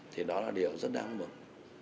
thì đó là điều rất đáng mừng